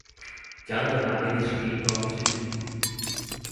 講者那邊的收音裝置